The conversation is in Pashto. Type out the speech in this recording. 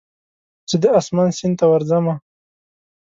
زه د اسمان سیند ته ورځمه